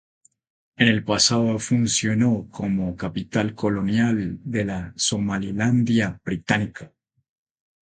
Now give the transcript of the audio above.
En el pasado funcionó como capital colonial de la Somalilandia Británica.